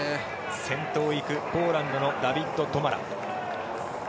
先頭を行くポーランドのダビッド・トマラ。